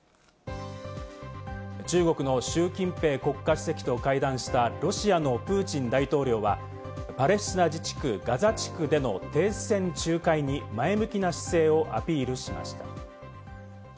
中国のシュウ・キンペイ国家主席と会談したロシアのプーチン大統領は、パレスチナ自治区、ガザ地区での停戦仲介に前向きな姿勢をアピールしました。